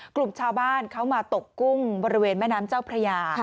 กลุ่มชาวบ้านเขามาตกกุ้งบริเวณแม่น้ำเจ้าพระยา